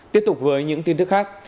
tiếp tục với những tin thức khác